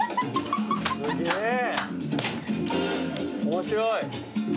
面白い。